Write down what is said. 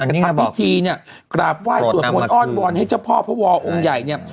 ทางพิธีเนี่ยกราบว่ายส่วนคนอ้อนบอนให้เจ้าพ่อพระวอลองค์ใหญ่เนี่ย